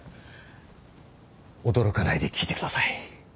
驚かないで聞いてください。